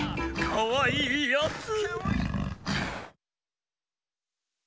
かわいいやつ！